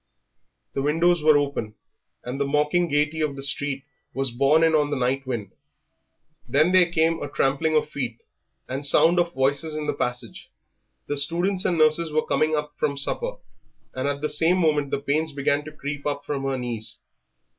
The windows were open, and the mocking gaiety of the street was borne in on the night wind. Then there came a trampling of feet and sound of voices in the passage the students and nurses were coming up from supper; and at the same moment the pains began to creep up from her knees.